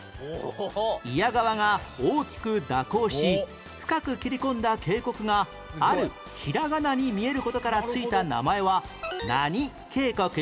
祖谷川が大きく蛇行し深く切り込んだ渓谷があるひらがなに見える事から付いた名前は何渓谷？